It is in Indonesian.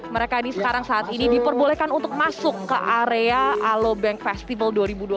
mereka ini sekarang saat ini diperbolehkan untuk masuk ke area aloe bank festival